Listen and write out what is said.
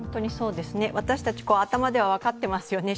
私たち、頭では分かってますよね